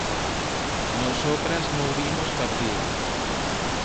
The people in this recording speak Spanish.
nosotras no hubimos partido